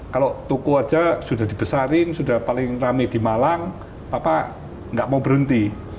kalau toko saja sudah dibesarin sudah paling rame di malang papa nggak mau berhenti